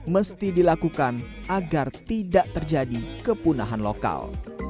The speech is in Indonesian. mesti dilakukan agar tidak terjadi kepunahan lokal